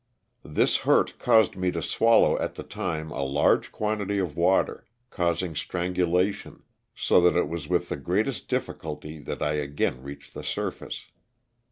This hurt caused me to swallow at the time a large quantity of water, causing strangulation, so that it was with the greatest difficulty that I again reached the surface.